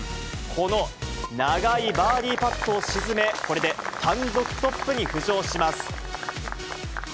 この長いバーディーパットを沈め、これで単独トップに浮上します。